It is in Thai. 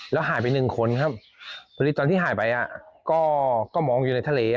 แล้วหายไปหนึ่งคนครับพอดีตอนที่หายไปก็มองอยู่ในทะเล